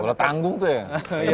boleh tanggung tuh ya